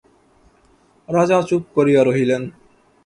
রাজা চুপ করিয়া রহিলেন।